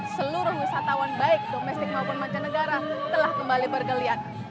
seluruh wisatawan baik domestik maupun mancanegara telah kembali bergeliat